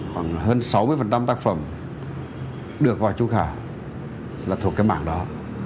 khoảng hơn sáu mươi tác phẩm được vào trung khảo là thuộc cái mảng đó